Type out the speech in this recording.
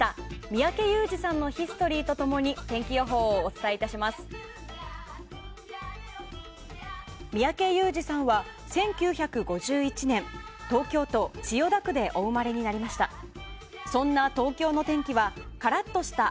三宅裕司さんは１９５１年東京都千代田区でお生まれになりました。